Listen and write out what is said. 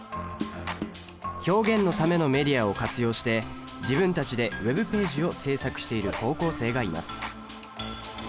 「表現のためのメディア」を活用して自分たちでＷｅｂページを制作している高校生がいます。